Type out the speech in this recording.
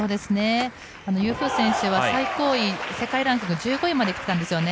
ユー・フー選手は最高位世界ランクの１５位まで来ていたんですよね。